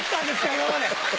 今まで。